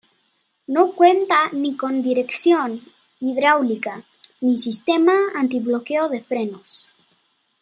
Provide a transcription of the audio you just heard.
No cuenta ni con dirección hidráulica, ni sistema antibloqueo de frenos.